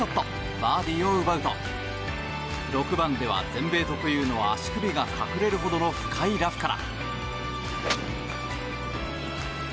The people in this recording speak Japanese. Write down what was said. バーディーを奪うと６番では全米特有の足首が隠れるほどの深いラフから。